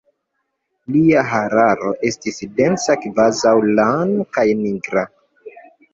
Lia hararo estis densa kvazaŭ lano, kaj nigra.